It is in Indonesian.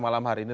malam hari ini